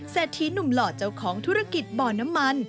เศรษฐีหนุ่มหล่อเจ้าของธุรกิจบ่อน้ำมัน